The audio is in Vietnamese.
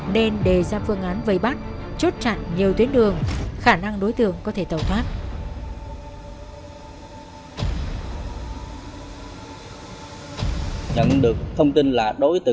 nên đề ra phương án vây bắt chốt chặn nhiều tuyến đường khả năng đối tượng có thể tàu thoát